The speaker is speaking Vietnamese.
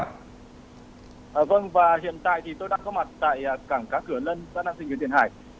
vâng và hiện tại thì tôi đang có mặt tại cảng cá cửa lân giãn năng sinh viên tiền hải